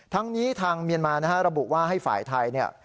ทั้งนี้ทางเมียนมาระบุว่าให้ฝ่ายไทย